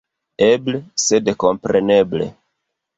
Eble, sed kompreneble.